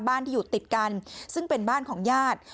ที่อยู่ติดกันซึ่งเป็นบ้านของญาติ